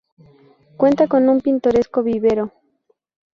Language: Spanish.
Cuenta con un pintoresco vivero.